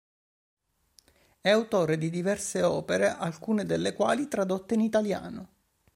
È autore di diverse opere, alcune delle quali tradotte in italiano.